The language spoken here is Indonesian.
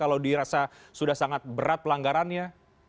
kalau dirasa sudah sangat berat pelanggarannya